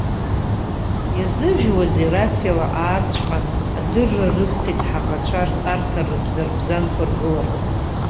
Иазыжәуазеи, рациала аарцәҟа адырра рысҭеит ҳаӷацәа ртәарҭа, рыбзарбзанқәа ргыларҭа.